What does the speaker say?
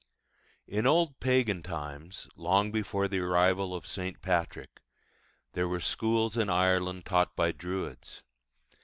In old pagan times, long before the arrival of St. Patrick, there were schools in Ireland taught by druids.